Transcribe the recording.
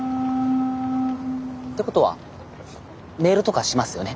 ってことはメールとかしますよね？